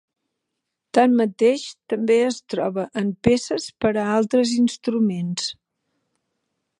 Tanmateix, també es troba en peces per a altres instruments.